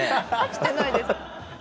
してないです。